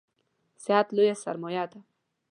صحت لویه سرمایه ده